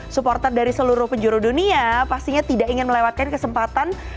supporter dari seluruh penjuru dunia pastinya tidak ingin melewatkan kesempatan